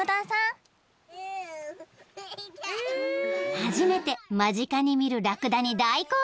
［初めて間近に見るラクダに大興奮］